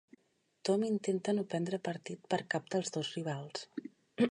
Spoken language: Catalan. Tom intenta no prendre partit per cap dels dos rivals.